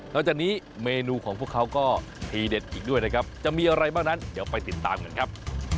แล้วจากนี้เมนูของพวกเขาก็ทีเด็ดอีกด้วยนะครับจะมีอะไรบ้างนั้นเดี๋ยวไปติดตามกันครับ